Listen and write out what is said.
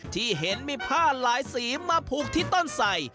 ที่เห็นมีผ้าหลายสีมาผูกที่ต้นใส่